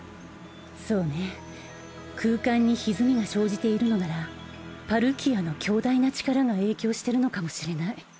そうね空間にひずみが生じているのならパルキアの強大な力が影響してるのかもしれない。